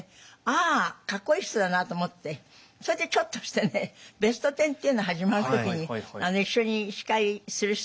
あかっこいい人だなと思ってそれでちょっとしてね「ベストテン」っていうの始まる時に一緒に司会する人